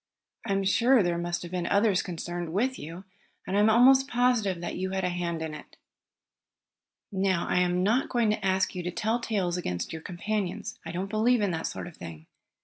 I am sure there must have been others concerned with you, and I am almost positive that you had a hand in it. "Now I am not going to ask you to tell tales against your companions. I don't believe in that sort of thing.